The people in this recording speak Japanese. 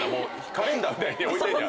カレンダーみたいに置いてんねや。